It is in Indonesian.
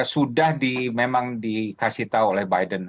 sudah memang dikasih tahu oleh biden